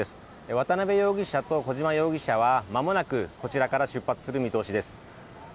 渡辺容疑者と小島容疑者は間もなくこちらから出発する見通しです。